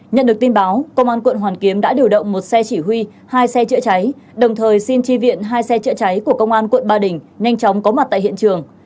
nhận được tin báo công an quận hoàn kiếm đã điều động một xe chỉ huy hai xe chữa cháy đồng thời xin tri viện hai xe chữa cháy của công an quận ba đình nhanh chóng có mặt tại hiện trường